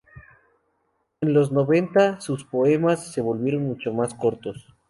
En los noventa sus poemas se volvieron mucho más cortos.